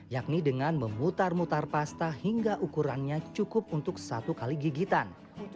yakni dengan memutar mutar pasta hingga ukurannya cukup untuk satu kali gigitan